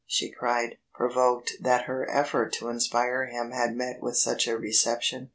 she cried, provoked that her effort to inspire him had met with such a reception.